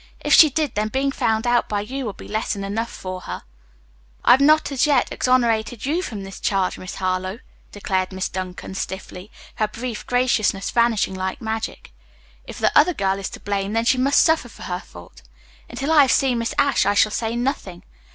If she did, then being found out by you will be lesson enough for her." "I have not as yet exonerated you from this charge, Miss Harlowe," declared Miss Duncan stiffly, her brief graciousness vanishing like magic. "If the other girl is to blame, then she must suffer for her fault. Until I have seen Miss Ashe I shall say nothing.